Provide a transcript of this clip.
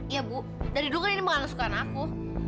iya bu dari dulu kan ini pengalaman suka anakku